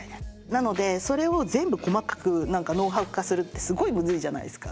なのでそれを全部細かく何かノウハウ化するってすごいむずいじゃないですか。